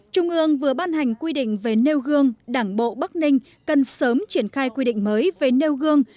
trung ương vừa ban hành quy định về nêu gương đảng bộ bắc ninh cần sớm triển khai quy định mới về nêu gương